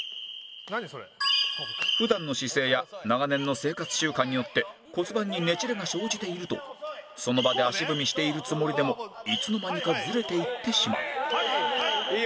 普段の姿勢や長年の生活習慣によって骨盤にねじれが生じているとその場で足踏みしているつもりでもいつの間にかずれていってしまう